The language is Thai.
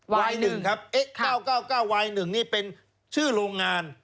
วายหนึ่งครับเอ็กซ์เก้าเก้าเก้าวายหนึ่งนี่เป็นชื่อโรงงาน